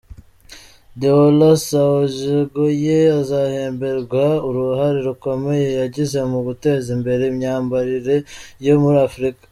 Deola Sagoe, azahemberwa uruhare rukomeye yagize mu guteza imbere imyambarire yo muri Africa.